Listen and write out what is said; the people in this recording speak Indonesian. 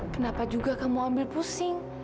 kenapa juga kamu ambil pusing